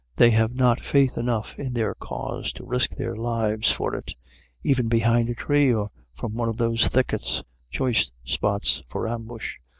They have not faith enough in their cause to risk their lives for it, even behind a tree or from one of these thickets, choice spots for ambush.